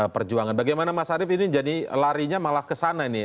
perjuangan bagaimana mas arief ini jadi larinya malah kesana ini